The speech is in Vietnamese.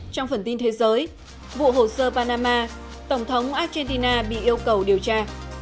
trong phần tin thế giới vụ hồ sơ panama tổng thống argentina bị yêu cầu điều tra